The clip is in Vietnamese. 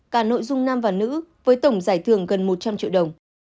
cả nội dung nam và nữ với tổng giải thưởng gần một trăm linh triệu đồng